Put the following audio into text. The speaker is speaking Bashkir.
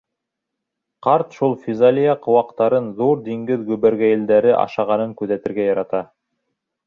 Ҡарт шул физалия ҡыуыҡтарын ҙур диңгеҙ гөбөргәйелдәре ашағанын күҙәтергә ярата.